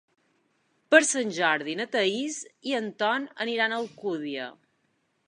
Per Sant Jordi na Thaís i en Ton aniran a Alcúdia.